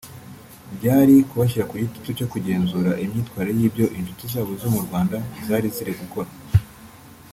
byari kubashyira ku gitutu cyo kugenzura imyitwarire y’ibyo inshuti zabo zo mu Rwanda zari ziri gukora